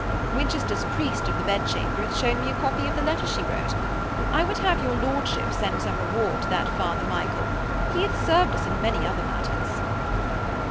'Winchester's priest of the bedchamber hath shewn me a copy of the letter she wrote. I would have your lordship send some reward to that Father Michael. He hath served us in many other matters.'